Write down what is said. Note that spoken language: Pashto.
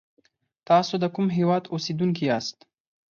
تاسی دکوم هیواد اوسیدونکی یاست